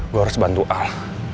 gue harus bantu al